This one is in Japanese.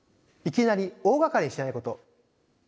いきなり大がかりにしないこと。